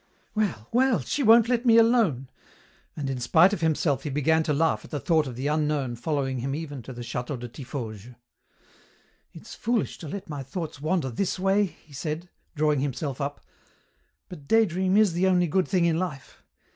"Well, well, she won't let me alone," and in spite of himself he began to laugh at the thought of the unknown following him even to the château de Tiffauges. "It's foolish to let my thoughts wander this way," he said, drawing himself up, "but daydream is the only good thing in life.